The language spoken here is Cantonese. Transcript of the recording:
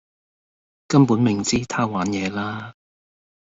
根本明知她玩野啦.....